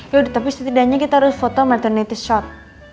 yaudah tapi setidaknya kita harus foto marten shot